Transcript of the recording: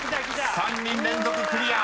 ［３人連続クリア］